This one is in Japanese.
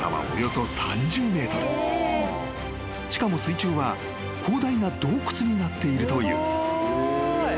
［しかも水中は広大な洞窟になっているという］